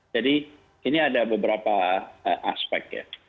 jadi ini ada beberapa aspek ya